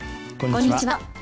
こんにちは。